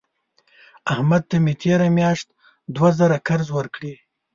احمد ته مې تېره میاشت دوه زره قرض ورکړې.